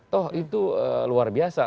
toh itu luar biasa